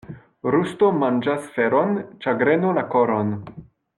Rusto manĝas feron, ĉagreno la koron.